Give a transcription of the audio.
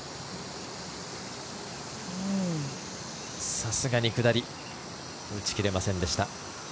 さすがに下り打ち切れませんでした。